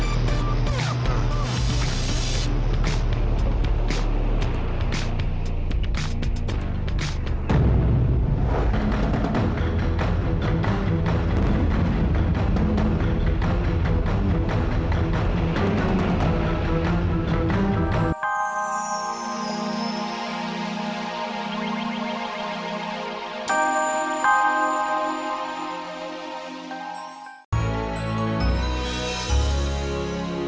aku yakin ini pasti ada yang ngerjain kita